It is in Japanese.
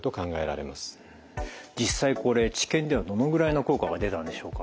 実際これ治験ではどのぐらいの効果が出たんでしょうか。